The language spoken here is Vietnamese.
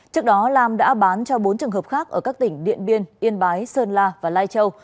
trước đó lam đã bán cho bốn trường hợp khác ở các tỉnh điện biên yên bái sơn la và lai châu